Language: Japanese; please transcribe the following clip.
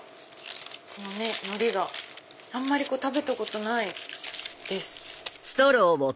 このね海苔があんまり食べたことないです。